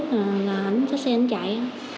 còn mấy bước là xe ảnh chạy